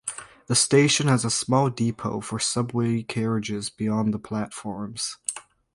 The station has a small depot for subway carriages beyond the platforms.